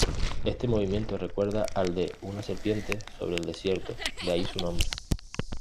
Este movimiento recuerda al de una serpiente sobre el desierto, de ahí su nombre.